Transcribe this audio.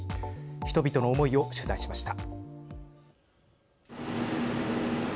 人々の思いを取材しました。